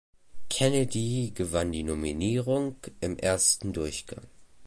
Kennedy gewann die Nominierung im ersten Durchgang.